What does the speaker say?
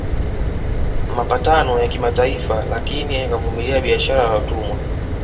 Mapatano ya kimataifa lakini akavumilia biashara ya watumwa